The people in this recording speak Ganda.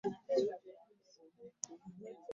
Okusooka kkooti eno yasoose kuwa nsala yonna mu bujjuvu